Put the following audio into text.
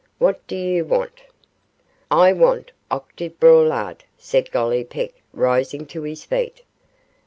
What do you want?' 'I want Octave Braulard,' said Gollipeck, rising to his feet.